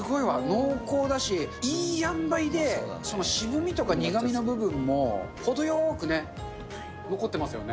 濃厚だし、いい塩梅で、その渋みとか苦みの部分も、程よくね、残ってますよね。